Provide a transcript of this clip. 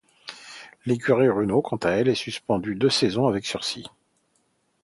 L'écurie Renault, quant à elle, est suspendue deux saisons avec sursis.